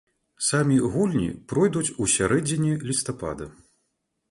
Самі гульні пройдуць ў сярэдзіне лістапада.